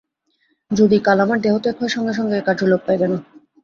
যদি কাল আমার দেহত্যাগ হয়, সঙ্গে সঙ্গে এই কার্য লোপ পাইবে না।